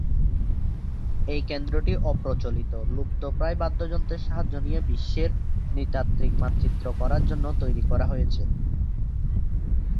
এই কেন্দ্রটি অপ্রচলিত, লুপ্তপ্রায় বাদ্যযন্ত্রের সাহায্য নিয়ে বিশ্বের নৃতাত্ত্বিক মানচিত্র করার জন্য তৈরি করা হয়েছে।